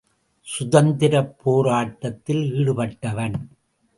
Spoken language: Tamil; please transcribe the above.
சுதந்திரப் போராட்டத்தில் ஈடுபட்டவன்.